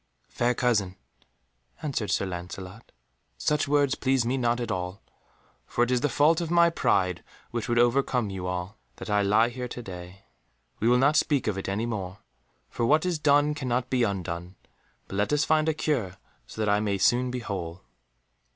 "Fair cousin," answered Sir Lancelot, "such words please me not at all, for it is the fault of my pride which would overcome you all, that I lie here to day. We will not speak of it any more, for what is done cannot be undone, but let us find a cure so that I may soon be whole."